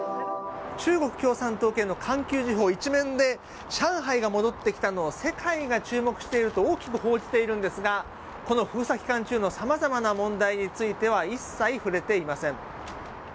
中国共産党系の環球時報１面で上海が戻ってきたのを世界が注目していると大きく報じているんですがこの封鎖期間中のさまざまな問題については一切触れていません。